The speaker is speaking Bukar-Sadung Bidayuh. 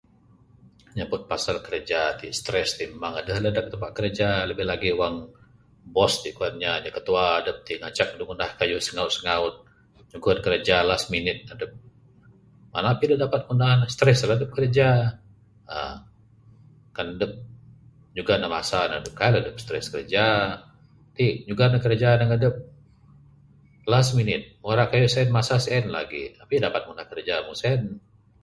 Nyabut pasal kerja tik, stress tik, memang aduh lah da tempat kerja. Lebih lagik wang boss tik kuwan nya, ketua dup tik ngancak adup ngundah kayuh singaut singaut. Nyugon kerja last minute. Adup, manak apih adup dapat nahan ne. Stress lah adup kiraja. uhh Kan adup, jugan ne masa nduh adup, kai lah adup stress kerja. Tik jugan ne kerja ndug adup last minute. Wang rak kayuh sien masa sien lagik. Apih dapat ngundah kerja mung sen.